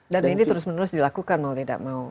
dan ini terus menerus dilakukan mau tidak mau